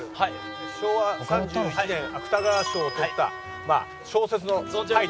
昭和３７年芥川賞を取った小説のタイトルです。